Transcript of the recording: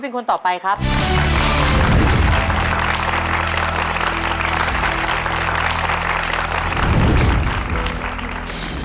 ขอเชิญแสงเดือนมาต่อชีวิต